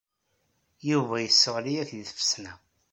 Yuba yesseɣli-ak deg tfesna.